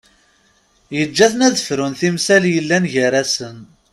Yeǧǧa-ten ad frun timsal yellan gar-asen.